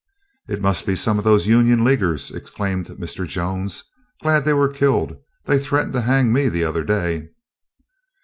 "It must be some of those Union Leaguers," exclaimed Mr. Jones. "Glad they were killed; they threatened to hang me the other day."